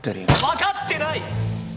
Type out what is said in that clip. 分かってない！